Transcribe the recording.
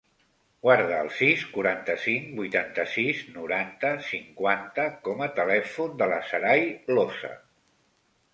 Guarda el sis, quaranta-cinc, vuitanta-sis, noranta, cinquanta com a telèfon de la Saray Losa.